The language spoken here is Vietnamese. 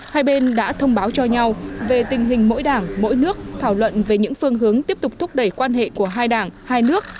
hai bên đã thông báo cho nhau về tình hình mỗi đảng mỗi nước thảo luận về những phương hướng tiếp tục thúc đẩy quan hệ của hai đảng hai nước